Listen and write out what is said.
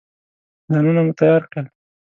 ځانونه مو تیار کړل.